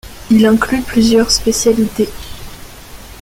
Il inclut plusieurs spécialités.